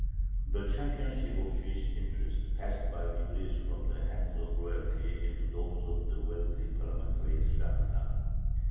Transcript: The championship of Jewish interests passed by degrees from the hands of royalty into those of the wealthy parliamentary Shlakhta.